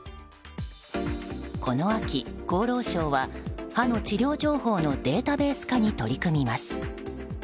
この秋、厚労省は歯の治療情報のデータベース化に取り組みます。